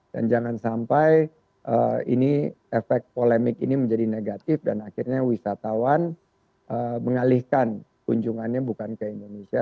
dan jangan sampai efek polemik ini menjadi negatif dan akhirnya wisatawan mengalihkan kunjungannya bukan ke indonesia